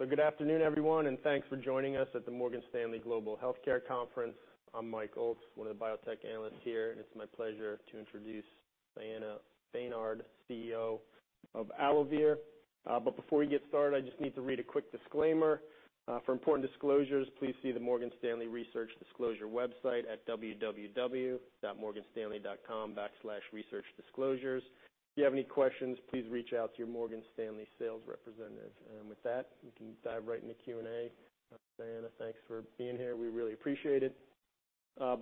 Good afternoon, everyone, and thanks for joining us at the Morgan Stanley Global Healthcare Conference. I'm Mike Ulz, one of the Biotech Analysts here, and it's my pleasure to introduce Diana Brainard, CEO of AlloVir. Before we get started, I just need to read a quick disclaimer. For important disclosures, please see the Morgan Stanley Research Disclosure website at www.morganstanley.com/researchdisclosures. If you have any questions, please reach out to your Morgan Stanley sales representative. With that, we can dive right into Q&A. Diana, thanks for being here. We really appreciate it.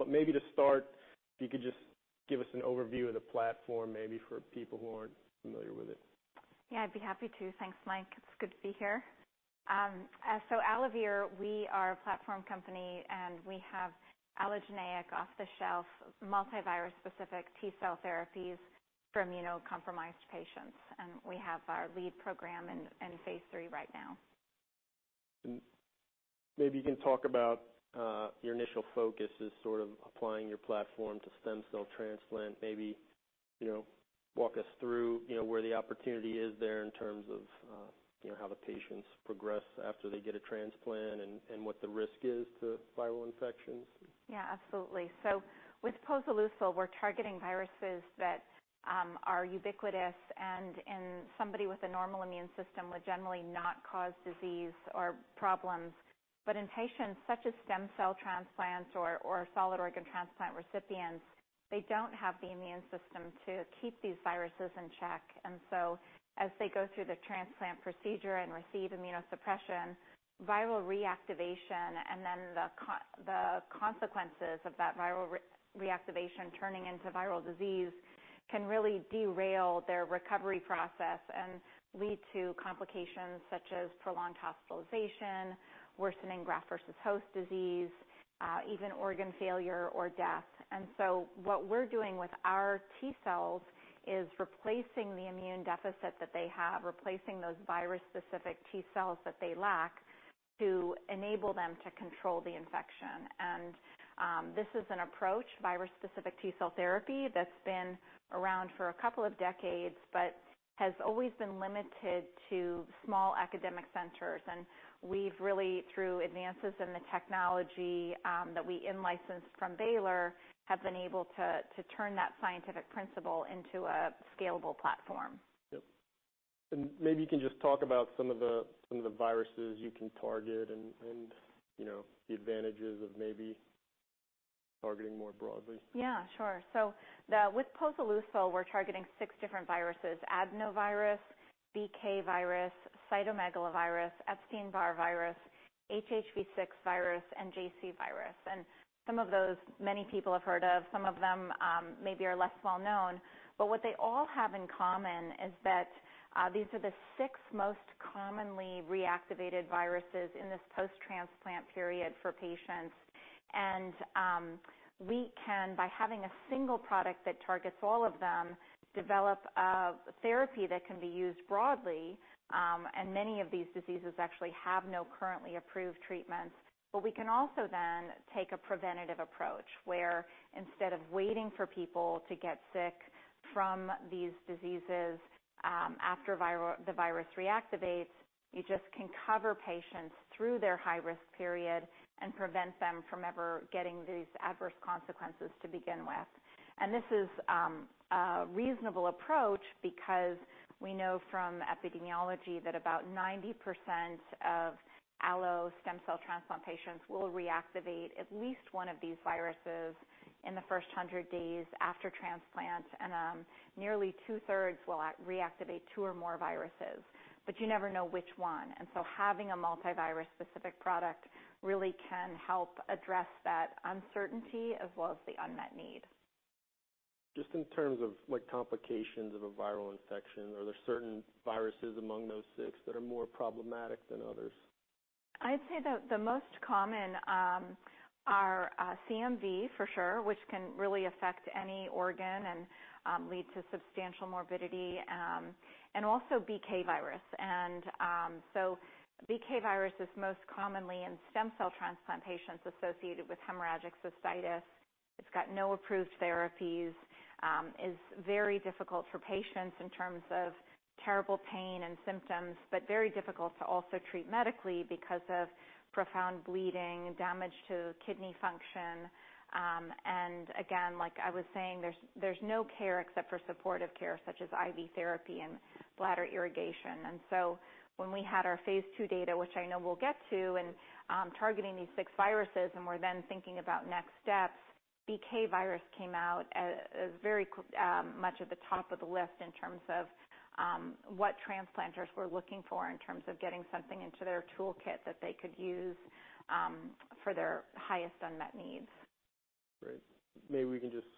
Maybe to start, if you could just give us an overview of the platform, maybe for people who aren't familiar with it. Yeah, I'd be happy to. Thanks, Mike. It's good to be here. AlloVir, we are a Platform company, and we have Allogeneic, off-the-shelf, multi-virus specific T-cell therapies for immunocompromised patients. We have our lead program in phase III right now. Maybe you can talk about your initial focus is sort of applying your platform to stem cell transplant. Maybe, you know, walk us through, you know, where the opportunity is there in terms of, you know, how the patients progress after they get a transplant and what the risk is to viral infections. Yeah, absolutely. With posoleucel, we're targeting viruses that are ubiquitous and in somebody with a normal immune system would generally not cause disease or problems. In patients such as stem cell transplants or solid organ transplant recipients, they don't have the immune system to keep these viruses in check. As they go through the transplant procedure and receive immunosuppression, viral reactivation and then the consequences of that viral reactivation turning into viral disease can really derail their recovery process and lead to complications such as prolonged hospitalization, worsening graft-versus-host disease, even organ failure or death. What we're doing with T-cells is replacing the immune deficit that they have, replacing those T-cells that they lack to enable them to control the infection. This is an approach, virus-specific T-cell therapy, that's been around for a couple of decades, but has always been limited to small academic centers. We've really, through advances in the technology, that we in-licensed from Baylor, have been able to turn that scientific principle into a scalable platform. Yep. Maybe you can just talk about some of the viruses you can target and you know the advantages of maybe targeting more broadly. Yeah, sure. With posoleucel, we're targeting six different viruses: adenovirus, BK virus, cytomegalovirus, Epstein-Barr virus, HHV6 virus, and JC virus. Some of those, many people have heard of, some of them, maybe are less well known. What they all have in common is that, these are the six most commonly reactivated viruses in this post-transplant period for patients. We can, by having a single product that targets all of them, develop a therapy that can be used broadly, and many of these diseases actually have no currently approved treatments. We can also then take a preventative approach, where instead of waiting for people to get sick from these diseases, after the virus reactivates, you just can cover patients through their high-risk period and prevent them from ever getting these adverse consequences to begin with. This is a reasonable approach because we know from epidemiology that about 90% of Allo stem cell transplant patients will reactivate at least one of these viruses in the first 100 days after transplant, and nearly two-thirds will reactivate two or more viruses. You never know which one. Having a multi-virus specific product really can help address that uncertainty as well as the unmet need. Just in terms of like complications of a viral infection, are there certain viruses among those six that are more problematic than others? I'd say the most common are CMV for sure, which can really affect any organ and lead to substantial morbidity and also BK virus. BK virus is most commonly in stem cell transplant patients associated with hemorrhagic cystitis. It's got no approved therapies, is very difficult for patients in terms of terrible pain and symptoms, but very difficult to also treat medically because of profound bleeding, damage to kidney function. Again, like I was saying, there's no care except for supportive care such as IV therapy and bladder irrigation. When we had our phase II data, which I know we'll get to, and targeting these 6 viruses, and we're then thinking about next steps, BK virus came out as very much at the top of the list in terms of what transplanters were looking for in terms of getting something into their toolkit that they could use for their highest unmet needs. Great. Maybe we can just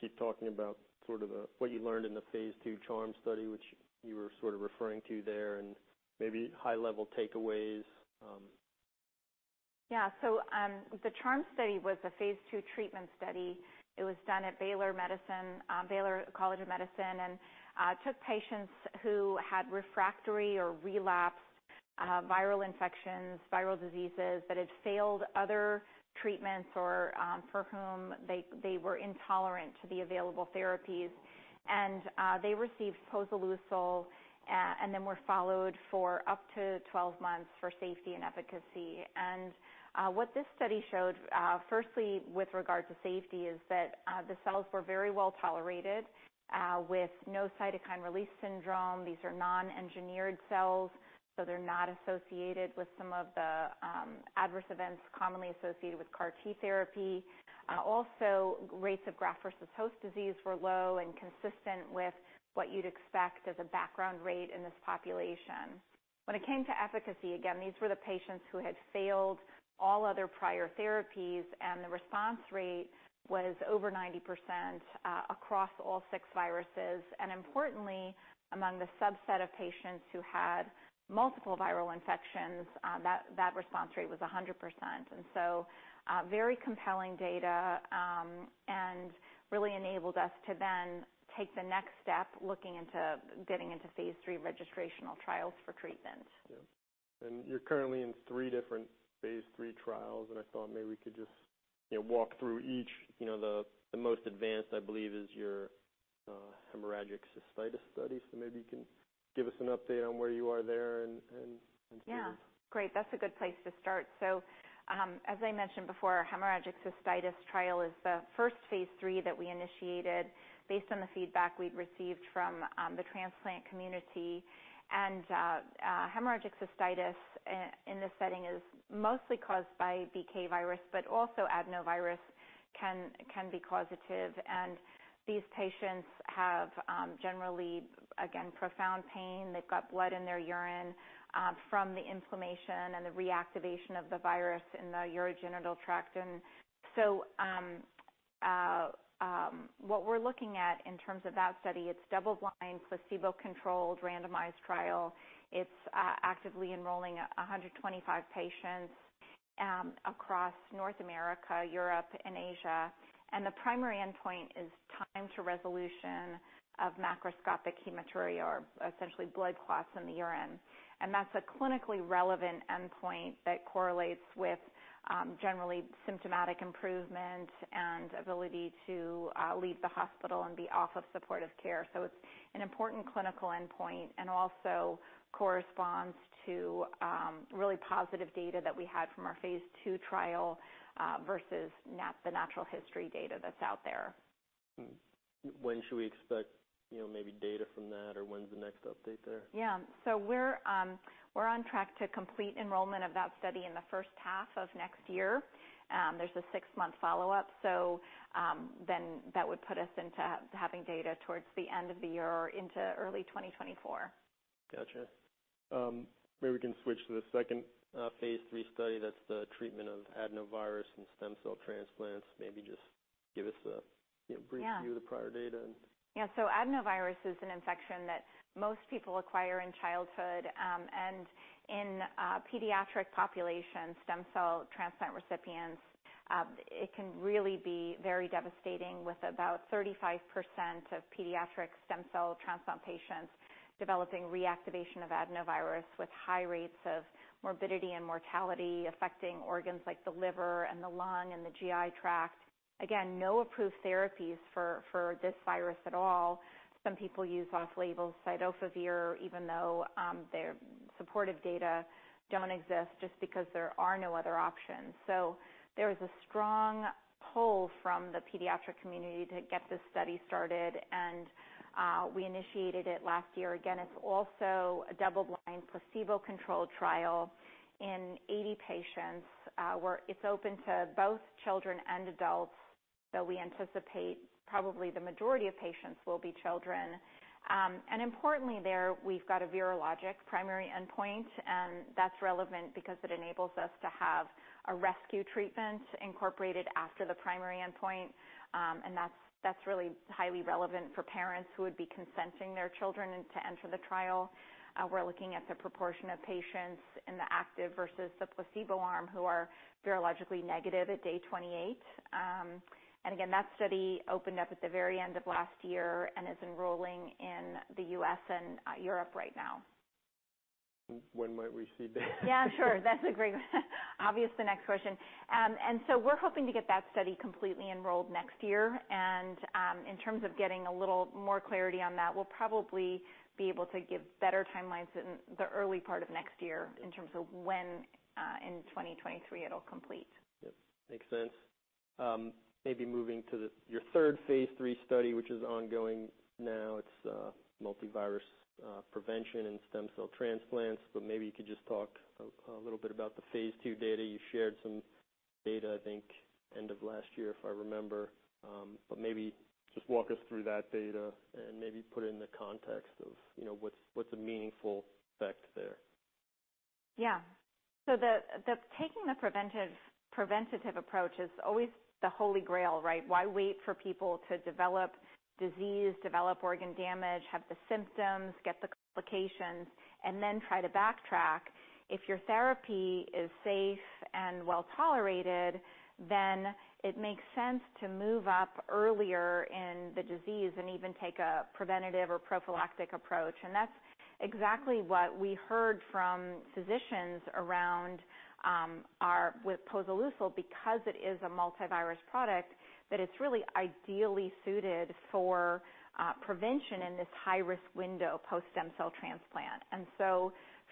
keep talking about sort of what you learned in the phase II CHARM study, which you were sort of referring to there, and maybe high-level takeaways. The CHARM study was a phase II treatment study. It was done at Baylor College of Medicine, and took patients who had refractory or relapsed viral infections, viral diseases that had failed other treatments or, for whom they were intolerant to the available therapies. They received posoleucel, and then were followed for up to 12 months for safety and efficacy. What this study showed, firstly with regard to safety, is that the cells were very well tolerated, with no cytokine release syndrome. These are non-engineered cells, so they're not associated with some of the adverse events commonly associated with CAR-T therapy. Also rates of graft-versus-host disease were low and consistent with what you'd expect as a background rate in this population. When it came to efficacy, again, these were the patients who had failed all other prior therapies, and the response rate was over 90%, across all 6 viruses. Importantly, among the subset of patients who had multiple viral infections, that response rate was 100%. Very compelling data, and really enabled us to then take the next step looking into getting into phase III registrational trials for treatment. Yeah. You're currently in 3 different phase III trials. I thought maybe we could just, you know, walk through each. You know, the most advanced, I believe, is your hemorrhagic cystitis study. Maybe you can give us an update on where you are there. Yeah. Great. That's a good place to start. As I mentioned before, hemorrhagic cystitis trial is the first phase III that we initiated based on the feedback we'd received from the transplant community. Hemorrhagic cystitis in this setting is mostly caused by BK virus, but also adenovirus can be causative. These patients have generally, again, profound pain. They've got blood in their urine from the inflammation and the reactivation of the virus in the urogenital tract. What we're looking at in terms of that study, it's double-blind, placebo-controlled randomized trial. It's actively enrolling 125 patients across North America, Europe and Asia. The primary endpoint is time to resolution of macroscopic hematuria or essentially blood clots in the urine. That's a clinically relevant endpoint that correlates with generally symptomatic improvement and ability to leave the hospital and be off of supportive care. It's an important clinical endpoint and also corresponds to really positive data that we had from our phase II trial versus the natural history data that's out there. When should we expect, you know, maybe data from that? Or when's the next update there? We're on track to complete enrollment of that study in the first half of next year. There's a 6-month follow-up, then that would put us into having data towards the end of the year or into early 2024. Gotcha. Maybe we can switch to the second phase III study. That's the treatment of adenovirus and stem cell transplants. Maybe just give us a, you know- Yeah Brief view of the prior data and Yeah. Adenovirus is an infection that most people acquire in childhood. In pediatric populations, stem cell transplant recipients, it can really be very devastating with about 35% of pediatric stem cell transplant patients developing reactivation of adenovirus with high rates of morbidity and mortality affecting organs like the liver and the lung and the GI tract. Again, no approved therapies for this virus at all. Some people use off-label cidofovir, even though their supportive data don't exist just because there are no other options. There is a strong pull from the pediatric community to get this study started, and we initiated it last year. Again, it's also a double-blind, placebo-controlled trial in 80 patients, where it's open to both children and adults, though we anticipate probably the majority of patients will be children. Importantly there, we've got a virologic primary endpoint, and that's relevant because it enables us to have a rescue treatment incorporated after the primary endpoint. That's really highly relevant for parents who would be consenting their children and to enter the trial. We're looking at the proportion of patients in the active versus the placebo arm who are virologically negative at day 28. Again, that study opened up at the very end of last year and is enrolling in the U.S. and Europe right now. When might we see data? Yeah, sure. That's a great, obvious next question. We're hoping to get that study completely enrolled next year. In terms of getting a little more clarity on that, we'll probably be able to give better timelines in the early part of next year in terms of when in 2023 it'll complete. Yep. Makes sense. Maybe moving to your third phase III study, which is ongoing now. It's multi-virus prevention and stem cell transplants, but maybe you could just talk a little bit about the phase II data. You shared some data, I think, end of last year, if I remember. But maybe just walk us through that data and maybe put it in the context of, you know, what's a meaningful effect there. Yeah. The taking the preventative approach is always the holy grail, right? Why wait for people to develop disease, develop organ damage, have the symptoms, get the complications, and then try to backtrack? If your therapy is safe and well-tolerated, then it makes sense to move up earlier in the disease and even take a preventative or prophylactic approach. That's exactly what we heard from physicians with posoleucel, because it is a multi-virus product, that it's really ideally suited for prevention in this high-risk window post-stem cell transplant.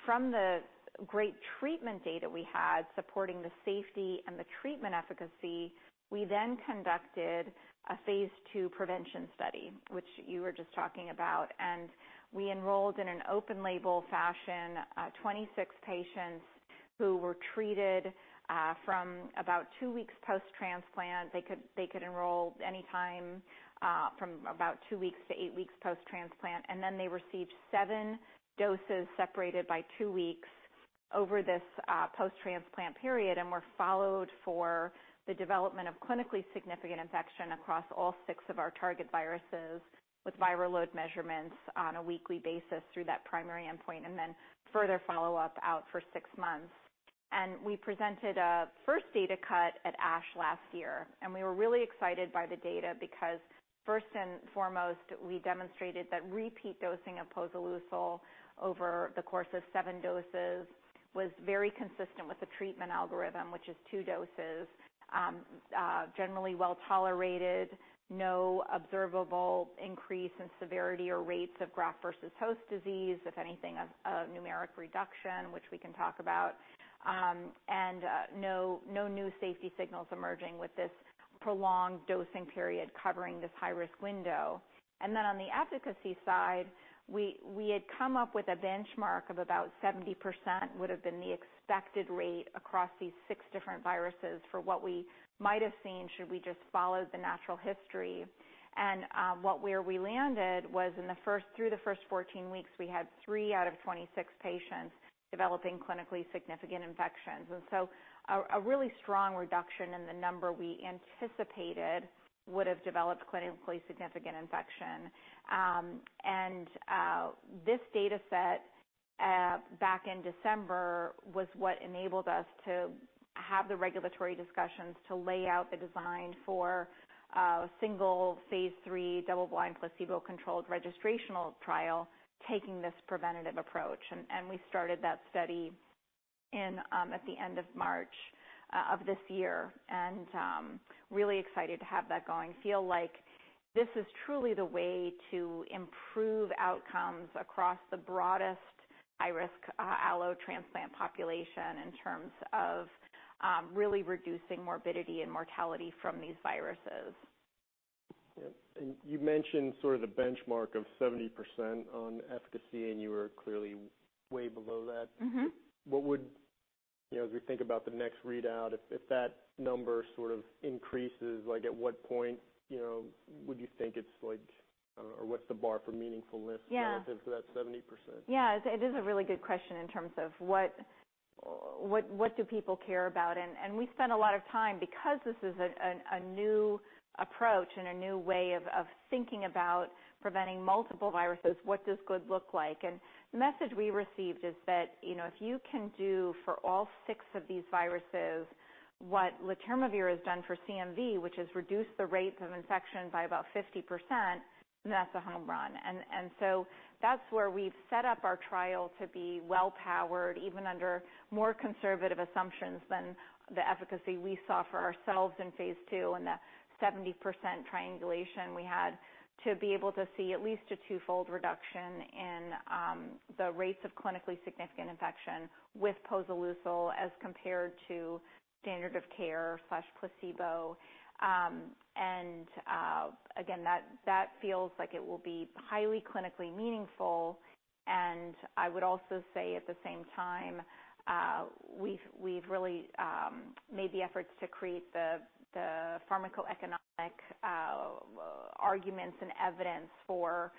From the great treatment data we had supporting the safety and the treatment efficacy, we then conducted a phase II prevention study, which you were just talking about. We enrolled in an open-label fashion 26 patients who were treated from about 2 weeks post-transplant. They could enroll anytime from about 2 weeks to 8 weeks post-transplant. They received 7 doses separated by 2 weeks over this post-transplant period and were followed for the development of clinically significant infection across all six of our target viruses with viral load measurements on a weekly basis through that primary endpoint, and then further follow-up out for 6 months. We presented a first data cut at ASH last year, and we were really excited by the data because first and foremost, we demonstrated that repeat dosing of posoleucel over the course of 7 doses was very consistent with the treatment algorithm, which is 2 doses. Generally well-tolerated, no observable increase in severity or rates of graft-versus-host disease. If anything, a numeric reduction, which we can talk about. No new safety signals emerging with this prolonged dosing period covering this high-risk window. Then on the efficacy side, we had come up with a benchmark of about 70% would have been the expected rate across these six different viruses for what we might have seen should we just follow the natural history. What we landed was in the first through the first 14 weeks, we had three out of 26 patients developing clinically significant infections. A really strong reduction in the number we anticipated would have developed clinically significant infection. This data set back in December was what enabled us to have the regulatory discussions to lay out the design for a single phase III double-blind placebo-controlled registrational trial taking this preventative approach. We started that study at the end of March of this year. Really excited to have that going. Feel like this is truly the way to improve outcomes across the broadest high-risk Allo transplant population in terms of really reducing morbidity and mortality from these viruses. Yeah. You mentioned sort of the benchmark of 70% on efficacy, and you were clearly way below that. Mm-hmm. You know, as we think about the next readout, if that number sort of increases, like at what point, you know, would you think it's like or what's the bar for meaningfulness? Yeah. Relative to that 70%? Yeah. It is a really good question in terms of what do people care about. We spend a lot of time because this is a new approach and a new way of thinking about preventing multiple viruses, what this could look like. The message we received is that, you know, if you can do for all six of these viruses, what letermovir has done for CMV, which has reduced the rates of infection by about 50%, then that's a home run. That's where we've set up our trial to be well-powered, even under more conservative assumptions than the efficacy we saw for ourselves in phase II and the 70% triangulation we had to be able to see at least a twofold reduction in the rates of clinically significant infection with posoleucel as compared to standard of care/placebo. Again, that feels like it will be highly clinically meaningful. I would also say at the same time, we've really made the efforts to create the pharmacoeconomic arguments and evidence for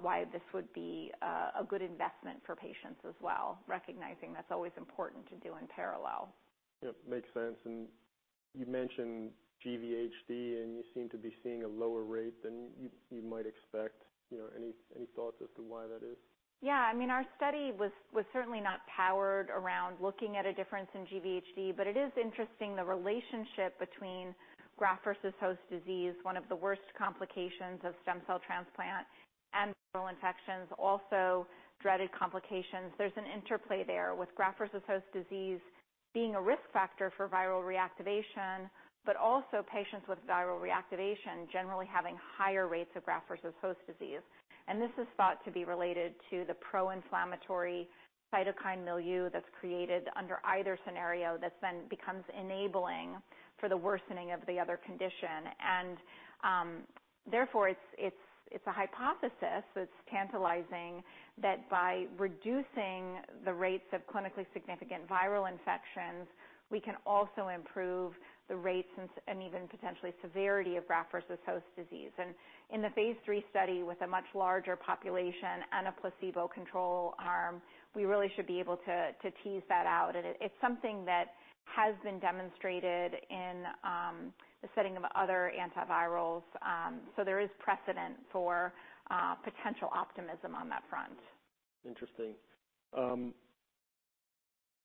why this would be a good investment for patients as well, recognizing that's always important to do in parallel. Yeah. Makes sense. You mentioned GVHD, and you seem to be seeing a lower rate than you might expect. You know, any thoughts as to why that is? Yeah. I mean, our study was certainly not powered around looking at a difference in GVHD, but it is interesting the relationship between graft-versus-host disease, one of the worst complications of stem cell transplant, and viral infections, also dreaded complications. There's an interplay there with graft-versus-host disease being a risk factor for viral reactivation, but also patients with viral reactivation generally having higher rates of graft-versus-host disease. This is thought to be related to the pro-inflammatory cytokine milieu that's created under either scenario that then becomes enabling for the worsening of the other condition. Therefore, it's a hypothesis, it's tantalizing that by reducing the rates of clinically significant viral infections, we can also improve the rates and even potentially severity of graft-versus-host disease. In the phase III study with a much larger population and a placebo control arm, we really should be able to tease that out. It's something that has been demonstrated in the setting of other antivirals. There is precedent for potential optimism on that front. Interesting.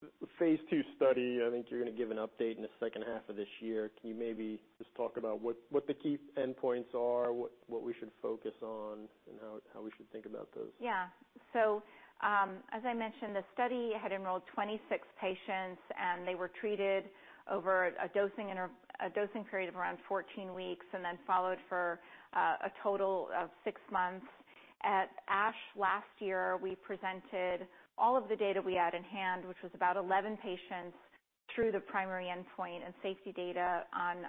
The phase II study, I think you're gonna give an update in the second half of this year. Can you maybe just talk about what the key endpoints are, what we should focus on and how we should think about those? Yeah. As I mentioned, the study had enrolled 26 patients and they were treated over a dosing period of around 14 weeks and then followed for a total of 6 months. At ASH last year, we presented all of the data we had in hand, which was about 11 patients through the primary endpoint and safety data on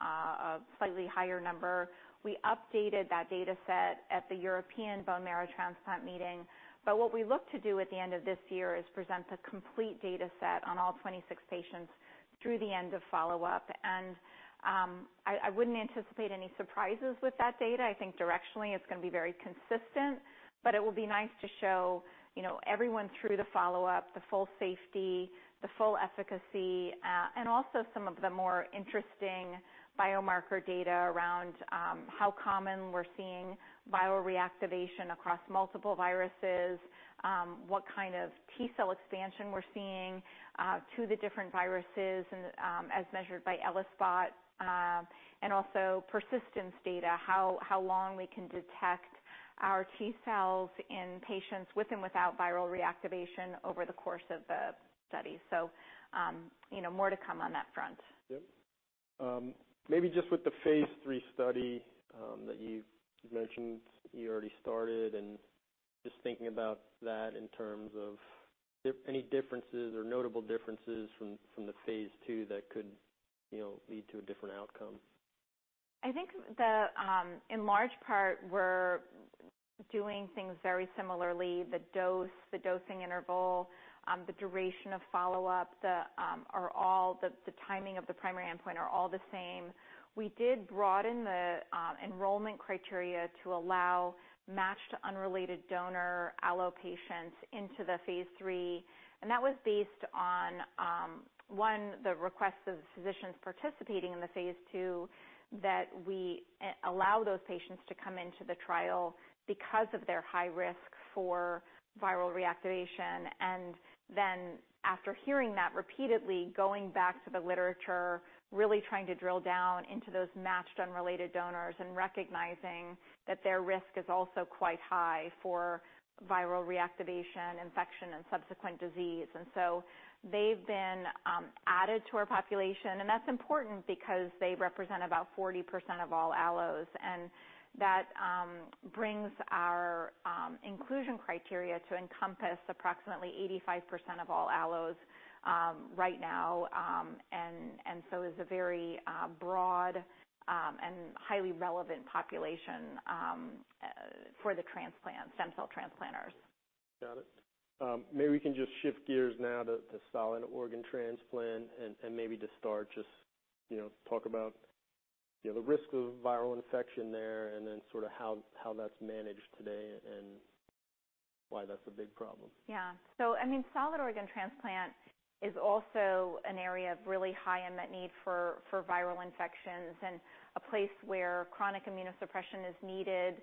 a slightly higher number. We updated that dataset at the European Bone Marrow Transplantation meeting. What we look to do at the end of this year is present the complete dataset on all 26 patients through the end of follow-up. I wouldn't anticipate any surprises with that data. I think directionally it's gonna be very consistent, but it will be nice to show, you know, everyone through the follow-up, the full safety, the full efficacy, and also some of the more interesting biomarker data around, how common we're seeing viral reactivation across multiple viruses, what kind of T-cell expansion we're seeing, to the different viruses and, as measured by ELISpot, and also persistence data, how long we can detect our T-cells in patients with and without viral reactivation over the course of the study. You know, more to come on that front. Yep. Maybe just with the phase III study that you've mentioned you already started and just thinking about that in terms of any differences or notable differences from the phase II that could, you know, lead to a different outcome? I think in large part we're doing things very similarly. The dose, the dosing interval, the duration of follow-up, the timing of the primary endpoint are all the same. We did broaden the enrollment criteria to allow matched-unrelated donor Allo patients into the phase III, and that was based on one, the request of the physicians participating in the phase II that we allow those patients to come into the trial because of their high risk for viral reactivation. After hearing that repeatedly, going back to the literature, really trying to drill down into those matched-unrelated donors and recognizing that their risk is also quite high for viral reactivation, infection, and subsequent disease. They've been added to our population, and that's important because they represent about 40% of all Allos. That brings our inclusion criteria to encompass approximately 85% of all Allos right now, and so is a very broad and highly relevant population for the transplant stem cell transplanters. Got it. Maybe we can just shift gears now to solid organ transplant and maybe to start just, you know, talk about, you know, the risk of viral infection there, and then sort of how that's managed today and why that's a big problem? Yeah. I mean, solid organ transplant is also an area of really high unmet need for viral infections and a place where chronic immunosuppression is needed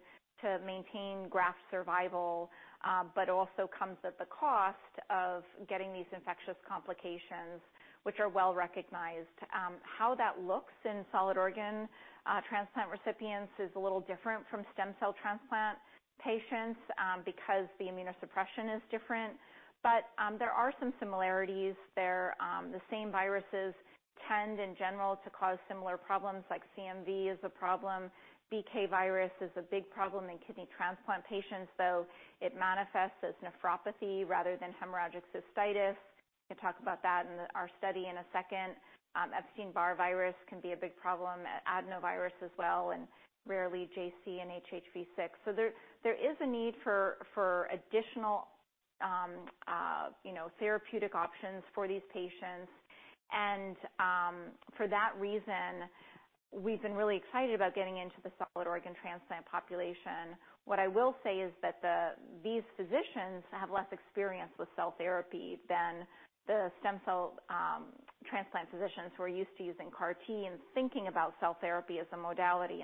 to maintain graft survival, but also comes at the cost of getting these infectious complications, which are well-recognized. How that looks in solid organ transplant recipients is a little different from stem cell transplant patients, because the immunosuppression is different. There are some similarities there. The same viruses tend in general to cause similar problems like CMV is a problem. BK virus is a big problem in kidney transplant patients, though it manifests as nephropathy rather than hemorrhagic cystitis. We can talk about that in our study in a second. Epstein-Barr virus can be a big problem, adenovirus as well, and rarely JC and HHV6. There is a need for additional, you know, therapeutic options for these patients. For that reason, we've been really excited about getting into the solid organ transplant population. What I will say is that these physicians have less experience with cell therapy than the stem cell transplant physicians who are used to using CAR-T and thinking about cell therapy as a modality.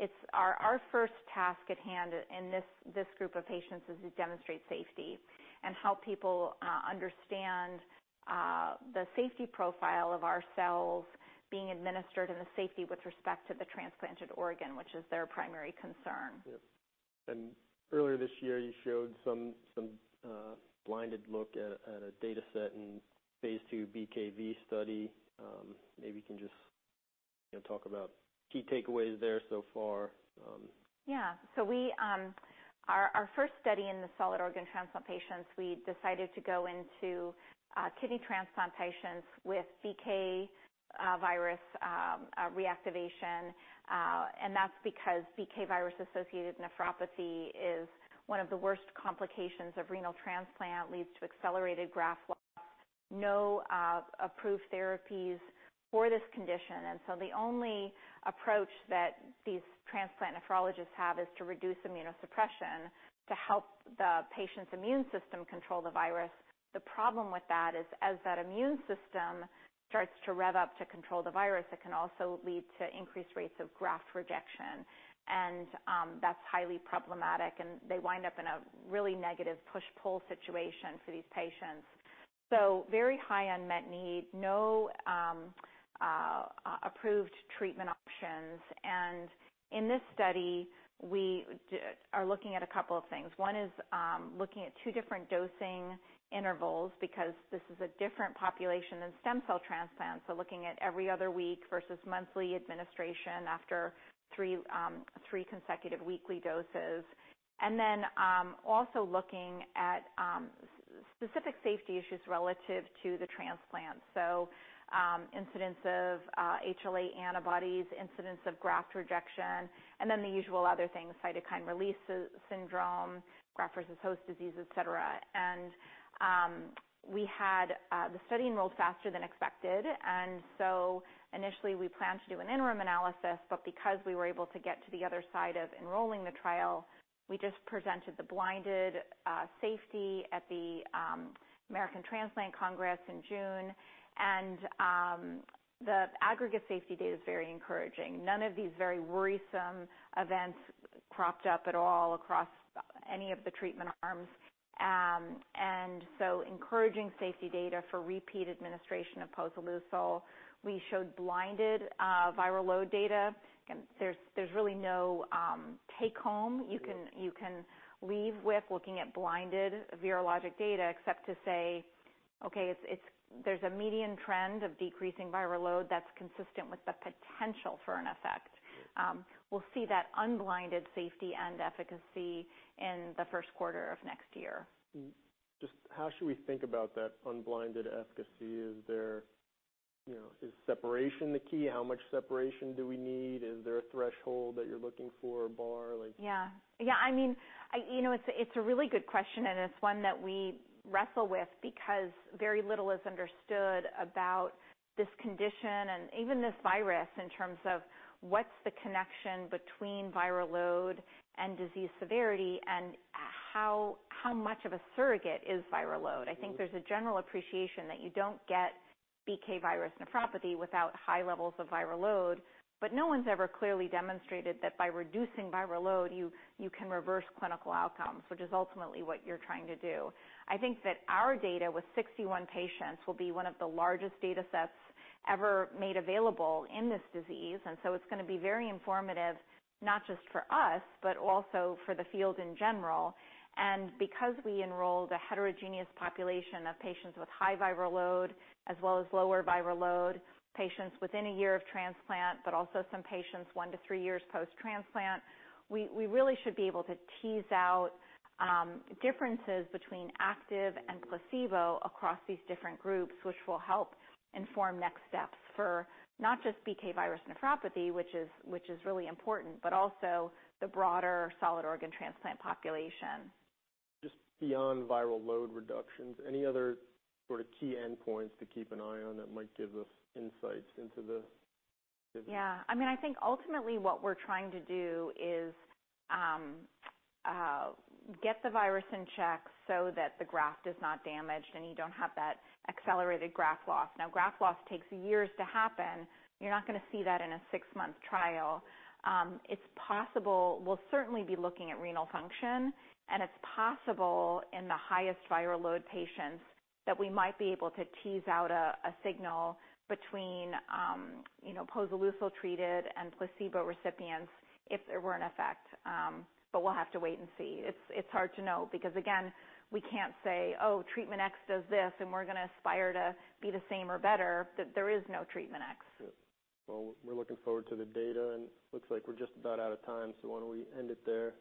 It's our first task at hand in this group of patients is to demonstrate safety and help people understand the safety profile of our cells being administered and the safety with respect to the transplanted organ, which is their primary concern. Yes. Earlier this year you showed some blinded look at a dataset in phase II BKV study. Maybe you can just, you know, talk about key takeaways there so far. Yeah. We, our first study in the solid organ transplant patients, we decided to go into kidney transplant patients with BK virus reactivation. That's because BK virus-associated nephropathy is one of the worst complications of renal transplant. It leads to accelerated graft loss. No approved therapies for this condition. The only approach that these transplant nephrologists have is to reduce immunosuppression to help the patient's immune system control the virus. The problem with that is as that immune system starts to rev up to control the virus, it can also lead to increased rates of graft rejection. That's highly problematic, and they wind up in a really negative push-pull situation for these patients. Very high unmet need. No approved treatment options. In this study, we are looking at a couple of things. One is looking at two different dosing intervals because this is a different population than stem cell transplants. Looking at every other week versus monthly administration after three consecutive weekly doses. Also looking at specific safety issues relative to the transplant, incidents of HLA antibodies, incidents of graft rejection, and then the usual other things, cytokine release syndrome, graft-versus-host disease, et cetera. We had the study enrolled faster than expected. Initially we planned to do an interim analysis, but because we were able to get to the other side of enrolling the trial, we just presented the blinded safety at the American Transplant Congress in June. The aggregate safety data is very encouraging. None of these very worrisome events cropped up at all across any of the treatment arms. Encouraging safety data for repeat administration of posoleucel. We showed blinded viral load data. There's really no take-home you can leave with looking at blinded virologic data except to say, "Okay, there's a median trend of decreasing viral load that's consistent with the potential for an effect. Yeah. We'll see that unblinded safety and efficacy in the first quarter of next year. Just how should we think about that unblinded efficacy? You know, is separation the key? How much separation do we need? Is there a threshold that you're looking for, a bar like? Yeah, I mean, you know, it's a really good question, and it's one that we wrestle with because very little is understood about this condition and even this virus in terms of what's the connection between viral load and disease severity, and how much of a surrogate is viral load. I think there's a general appreciation that you don't get BK virus nephropathy without high levels of viral load, but no one's ever clearly demonstrated that by reducing viral load, you can reverse clinical outcomes, which is ultimately what you're trying to do. I think that our data with 61 patients will be one of the largest datasets ever made available in this disease. It's gonna be very informative, not just for us, but also for the field in general. Because we enroll the heterogeneous population of patients with high viral load as well as lower viral load patients within a year of transplant, but also some patients one to three years post-transplant, we really should be able to tease out differences between active and placebo across these different groups, which will help inform next steps for not just BK virus nephropathy, which is really important, but also the broader solid organ transplant population. Just beyond viral load reductions, any other sort of key endpoints to keep an eye on that might give us insights into the? Yeah. I mean, I think ultimately what we're trying to do is get the virus in check so that the graft is not damaged, and you don't have that accelerated graft loss. Now, graft loss takes years to happen. You're not gonna see that in a six-month trial. It's possible. We'll certainly be looking at renal function, and it's possible in the highest viral load patients that we might be able to tease out a signal between, you know, posoleucel treated and placebo recipients if there were an effect. But we'll have to wait and see. It's hard to know because, again, we can't say, "Oh, treatment X does this, and we're gonna aspire to be the same or better." That there is no treatment X. Yeah. Well, we're looking forward to the data and looks like we're just about out of time, so why don't we end it there?